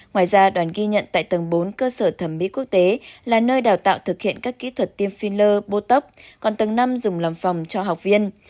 ngoài ra đoàn ghi nhận tại tầng bốn cơ sở thẩm mỹ quốc tế là nơi đào tạo thực hiện các kỹ thuật tiêm filler botok còn tầng năm dùng làm phòng cho học viên